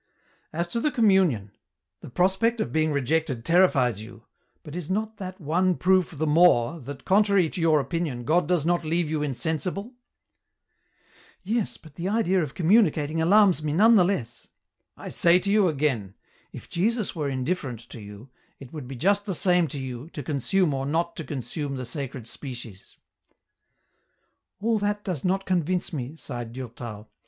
*' As to the Communion, the prospect of being rejected terrifies you, but is not that one proof the more that, contraiy to your opinion, God does not leave you insen sible ?'^" Yes, but the idea of communicating alarms me none the less." " I say tc you again : if Jesus were indifferent to you, it would be just the same to you, to consume or not to con sume the sacred species." " All that does not convince me," sighed Durtal.